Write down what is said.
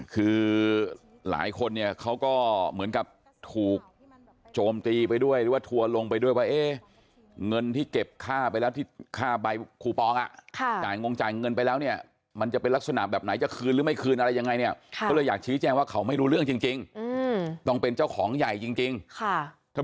คือหลายคนเนี่ยเขาก็เหมือนกับถูกโจมตีไปด้วยหรือว่าทัวร์ลงไปด้วยว่าเอ๊ะเงินที่เก็บค่าไปแล้วที่ค่าใบคูปองอ่ะจ่ายงงจ่ายเงินไปแล้วเนี่ยมันจะเป็นลักษณะแบบไหนจะคืนหรือไม่คืนอะไรยังไงเนี่ยเขาเลยอยากชี้แจ้งว่าเขาไม่รู้เรื่องจริงต้องเป็นเจ้าของใหญ่จริงค่ะ